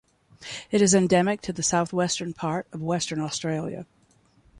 It is endemic to the southwestern part of Western Australia.